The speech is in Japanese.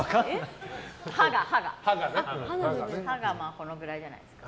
刃がこのくらいじゃないですか。